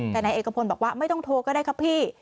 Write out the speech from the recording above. แต่นายเอกพลบอกว่าไม่ต้องโทรก็ได้ครับพี่